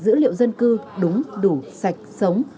dữ liệu dân cư đúng đủ sạch sống